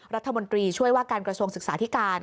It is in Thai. รัฐมนตรีช่วยว่าการกระทรวงศึกษาธิการ